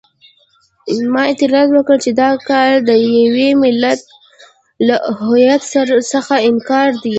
ما اعتراض وکړ چې دا کار د یوه ملت له هویت څخه انکار دی.